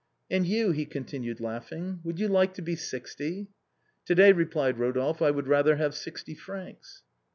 And you," he continued laughing, " would you like to be sixty ?"" To day," replied Eodolphe, " I would rather have sixty francs."